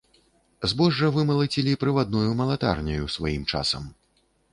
Збожжа вымалацілі прывадною малатарняю сваім часам.